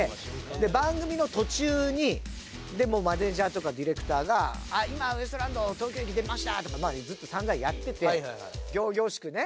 で番組の途中にマネジャーとかディレクターが「今ウエストランド東京駅出ました」とかずっと散々やってて仰々しくね。